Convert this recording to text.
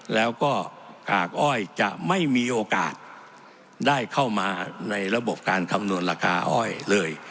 แล้วก็กากอ้อยจะไม่มีโอกาสได้เข้ามาในระบบการคำนวณราคาอ้อยเลย